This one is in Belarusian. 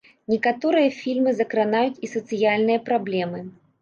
Некаторыя фільмы закранаюць і сацыяльныя праблемы.